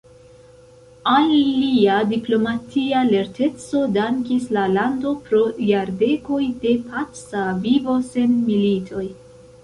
Al lia diplomatia lerteco dankis la lando pro jardekoj de paca vivo sen militoj.